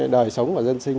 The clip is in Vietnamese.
đời sống và dân sinh